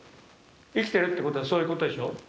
生きてるってことはそういうことでしょ。